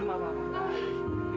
kita teman lagi ya